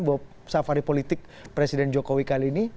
bahwa safari politik presiden jokowi kali ini